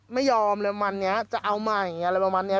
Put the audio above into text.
ไม่ยอมเลยประมาณนี้จะเอามาอย่างนี้อะไรประมาณนี้